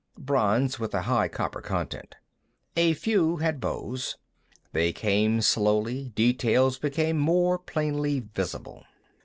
Bronze, with a high copper content. A few had bows. They came slowly; details became more plainly visible.